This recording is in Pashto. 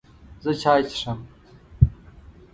زه چای څښم.